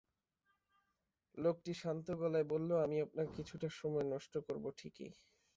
লোকটি শান্ত গলায় বলল, আমি আপনার কিছুটা সময় নষ্ট করব ঠিকই।